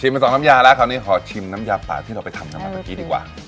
ชิมแล้วสองน้ำยาแล้วคราวนี้ขอชิมน้ำยาป่าที่เราไปทำกันก่อน